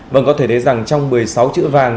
vâng có thể thấy rằng trong một mươi sáu chữ vàng